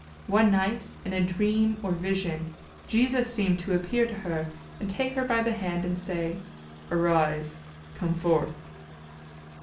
One night, in a dream or vision, Jesus seemed to appear to her and take her by the hand and say, "Arise, come forth."